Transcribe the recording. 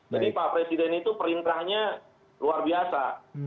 jadi pak presiden itu perintahnya luar biasa